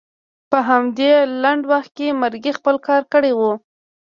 په همدې لنډ وخت کې مرګي خپل کار کړی و.